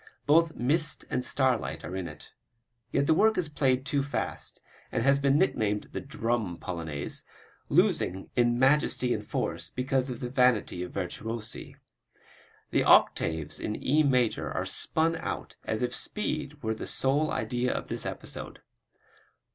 Both mist and starlight are in it. Yet the work is played too fast, and has been nicknamed the "Drum" Polonaise, losing in majesty and force because of the vanity of virtuosi. The octaves in E major are spun out as if speed were the sole idea of this episode.